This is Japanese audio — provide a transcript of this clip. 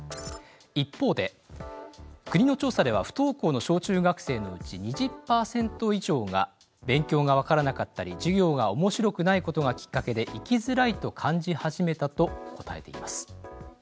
一方で国の調査では不登校の小中学生のうち２０％以上が勉強が分からなかったり授業がおもしろくないことがきっかけで行きづらいと感じ始めたと答えています。